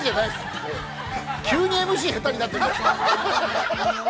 急にＭＣ、下手になってるでしょう。